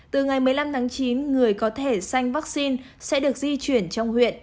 từ ngày một mươi năm tháng chín người có thể sanh vaccine sẽ được di chuyển trong huyện